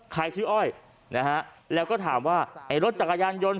ใครชื่ออ้อยนะฮะแล้วก็ถามว่าไอ้รถจักรยานยนต์